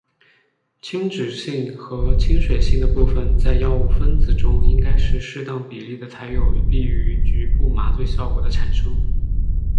亲脂性和亲水性的部分在药物分子中应该是适当比例的才有利于局部麻醉效果的产生。